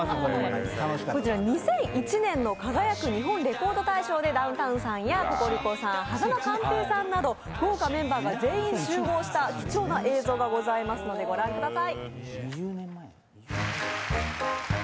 こちら２００１年の「輝く！日本レコード大賞」で、ダウンタウンさんやココリコさん、間寛平さんなど豪華メンバーが全員集合した貴重な映像がございますのでご覧ください。